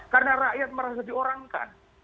karena rakyat merasa diorangkan